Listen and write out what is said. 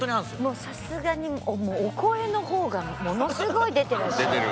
もうさすがにお声の方がものすごい出ていらっしゃる。